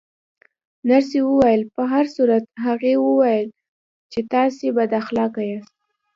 نرسې وویل: په هر صورت، هغې ویل چې تاسې بد اخلاقه یاست.